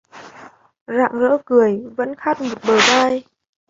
Rạng rỡ cười, vẫn khát một bờ vai